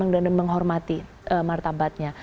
dan menghormati martabatnya